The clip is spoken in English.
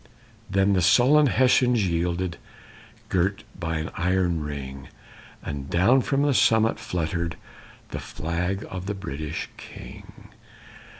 Then the sullen Hessians yielded, Girt by an iron ring, And down from the summit fluttered The flag of the British king.